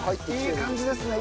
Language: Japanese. いい感じですね。